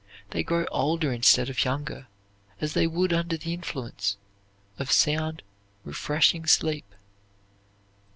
They grow older instead of younger, as they would under the influence of sound, refreshing sleep.